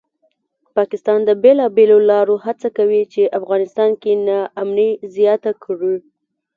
پاکستان د بېلابېلو لارو هڅه کوي چې افغانستان کې ناامني زیاته کړي